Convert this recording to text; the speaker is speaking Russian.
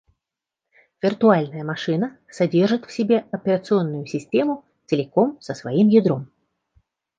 Виртуальная машина содержит в себе операционную систему целиком со своим ядром